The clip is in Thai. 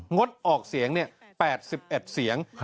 งดออกเสียง๘๑เสียง